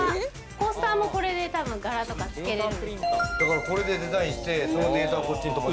コースターもこれでたぶん柄とかつけられる。